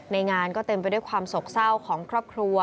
งานก็เต็มไปด้วยความโศกเศร้าของครอบครัว